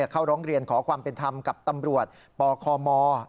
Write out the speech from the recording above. เข้าร้องเรียนขอความเป็นธรรมกับตำรวจปคม